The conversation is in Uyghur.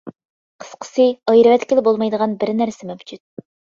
قىسقىسى، ئايرىۋەتكىلى بولمايدىغان بىر نەرسە مەۋجۇت.